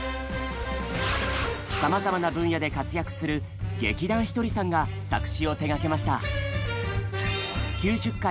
さまざまな分野で活躍する劇団ひとりさんが作詞を手がけました。